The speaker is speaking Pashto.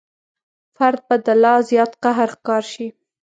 فرد به د لا زیات قهر ښکار شي.